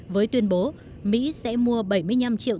với tuyên bố mỹ sẽ mua bảy mươi năm triệu